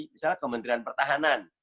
misalnya kementerian pertahanan